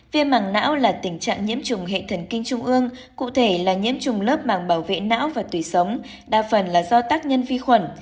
viêm mảng não là tình trạng nhiễm trùng hệ thần kinh trung ương cụ thể là nhiễm trùng lớp màng bảo vệ não và tủy sống đa phần là do tác nhân vi khuẩn